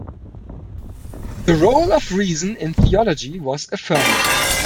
The role of reason in theology was affirmed.